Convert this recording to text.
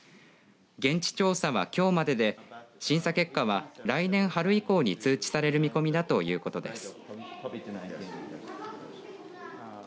現地調査は、きょうまでで審査結果は、来年春以降に通知される見込みだということです。